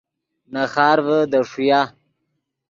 نے خارڤے دے ݰویا